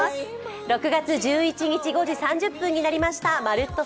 ６月１１日５時３０分になりました、「まるっと！